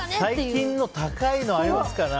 最近の、高いのありますから。